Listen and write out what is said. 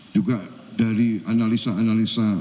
juga dari analisa analisa